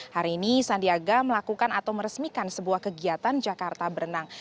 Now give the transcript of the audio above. hari ini sandiaga melakukan atau meresmikan sebuah kegiatan jakarta berenang